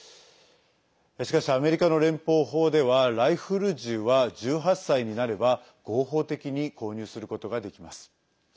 しかし、アメリカの連邦法ではライフル銃は１８歳になれば合法的に購入することができます。